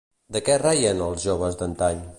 De què reien els joves d'antany?